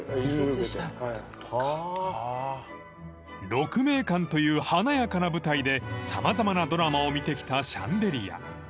［鹿鳴館という華やかな舞台で様々なドラマを見てきたシャンデリア］